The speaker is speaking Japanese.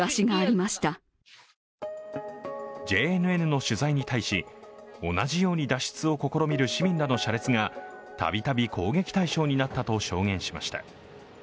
ＪＮＮの取材に対し、同じように脱出を試みる市民らの車列がたびたび攻撃対象になったと証言しました。